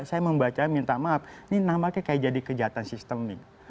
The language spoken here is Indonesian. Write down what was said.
saya membaca minta maaf ini namanya seperti jadi kejahatan sistem ini